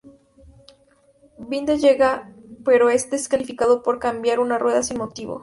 Binda llega segundo pero es desclasificado por cambiar una rueda sin motivo.